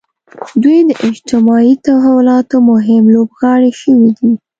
دوی د اجتماعي تحولاتو مهم لوبغاړي شوي دي.